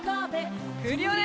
クリオネ！